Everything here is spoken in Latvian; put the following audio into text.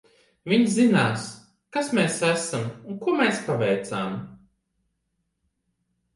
Viņi zinās, kas mēs esam un ko mēs paveicām.